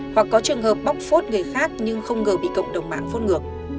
hoặc có trường hợp bóc phốt người khác nhưng không ngờ bị cộng đồng mạng phốt ngược